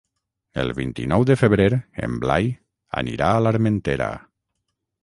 El vint-i-nou de febrer en Blai anirà a l'Armentera.